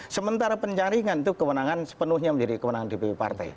sementara penjaringan itu kewenangan sepenuhnya menjadi kewenangan dpp partai